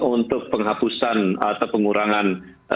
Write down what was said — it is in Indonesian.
untuk penghapusan atau pengurangan